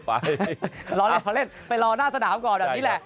ไปลองลองเล่นรอหน้าสนามก่อน